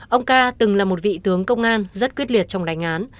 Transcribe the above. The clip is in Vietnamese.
ông ca từng là một vị tướng công an rất quyết liệt trong đánh án